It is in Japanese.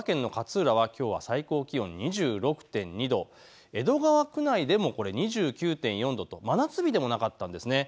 千葉県の勝浦はきょうは最高気温２６．２度、江戸川区内でも２９．４度と真夏日でもなかったんです。